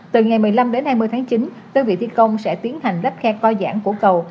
từ ngày một mươi năm đến hai mươi tháng chín đơn vị thi công sẽ tiến hành lắp khe coi giảng của cầu